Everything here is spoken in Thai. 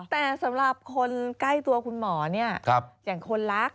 แต่สำหรับคนใกล้ตัวคุณหมอเนี่ยอย่างคนรัก